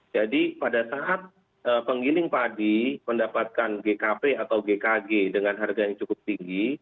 jadi pada saat pengwiling padi mendapatkan gkp atau gkg dengan harga yang cukup tinggi